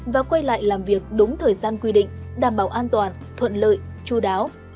và quay lại làm việc đúng thời gian quy định đảm bảo an toàn thuận lợi chú đáo